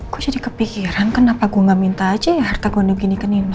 gue jadi kepikiran kenapa gue gak minta aja ya harta gondokini ke nino